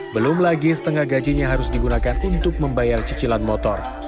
belum lagi setengah gajinya harus digunakan untuk membayar cicilan motor